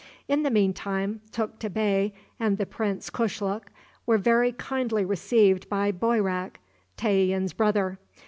In the mean time, Tukta Bey and the Prince Kushluk were very kindly received by Boyrak, Tayian's brother.